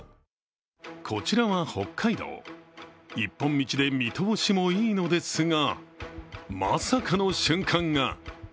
こちらは北海道、一本道で見通しもいいのですが、まさかの瞬間が。